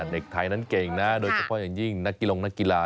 เด็กไทยนั้นเก่งนะโดยเฉพาะอย่างยิ่งนักกีฬาลงนักกีฬา